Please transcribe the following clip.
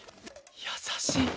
優しい。